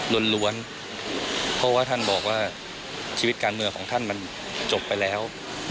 ล้วนเพราะว่าท่านบอกว่าชีวิตการเมืองของท่านมันจบไปแล้ว